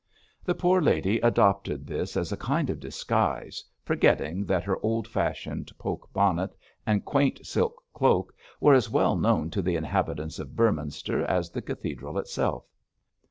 The poor lady adopted this as a kind of disguise, forgetting that her old fashioned poke bonnet and quaint silk cloak were as well known to the inhabitants of Beorminster as the cathedral itself.